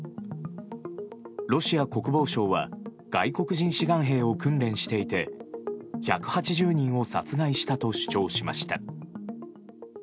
ロシア国防省は外国人志願兵を訓練していて１８０人を殺害したと主張しました。